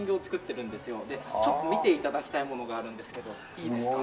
でちょっと見て頂きたいものがあるんですけどいいですか？